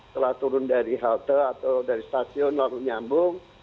telah turun dari halte atau dari stasiun lalu nyambung